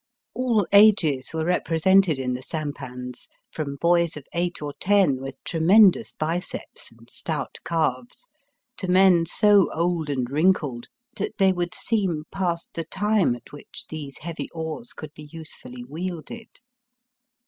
AU ages were represented in the sampans, from boys of eight or ten with tremendous biceps and stout calves, to men so old and Digitized by VjOOQIC 186 EAST BY WEST. wrinkled that they would seem past the time at which these heavy oars could be usefully wielded.